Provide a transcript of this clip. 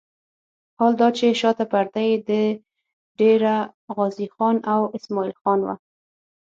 حال دا چې شاته پرده یې د ډېره غازي خان او اسماعیل خان وه.